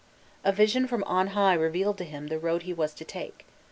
A vision from on high revealed to him the road he was to take.